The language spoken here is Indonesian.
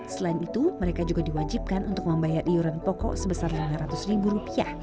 selain itu mereka juga diwajibkan untuk membayar iuran pokok sebesar rp lima ratus ribu rupiah